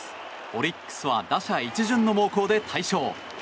オリックスは打者一巡の猛攻で大勝。